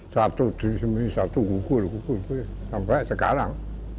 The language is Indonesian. satu di sini satu gugur gugur sampai sekarang